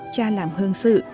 cha làm hương sự